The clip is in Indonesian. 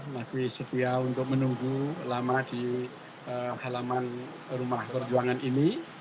masih setia untuk menunggu lama di halaman rumah perjuangan ini